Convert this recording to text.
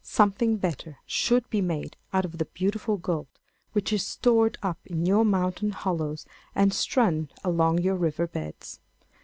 Something better should be made out of the beautiful gold which is stored up in your mountain hollows and strewn along your river beds.